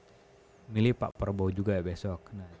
pemilih pak prabowo juga besok